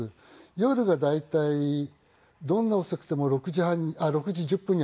夜が大体どんなに遅くても６時１０分には寝ています。